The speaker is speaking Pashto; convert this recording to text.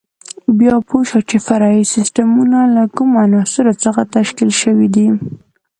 بیا پوه شو چې فرعي سیسټمونه له کومو عناصرو څخه تشکیل شوي دي.